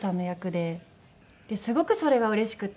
ですごくそれがうれしくて。